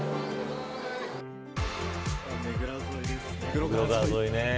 目黒川沿いね。